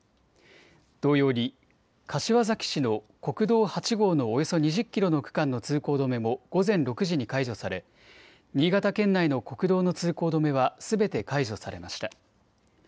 同様に柏崎市の国道８号のおよそ２０キロの区間の通行止めも午前６時に解除され新潟県内の国道の通行止めはすべて解除されました。